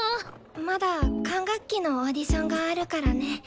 まだ管楽器のオーディションがあるからね。